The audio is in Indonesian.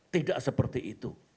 tidak seperti itu